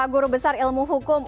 guru besar ilmu hukum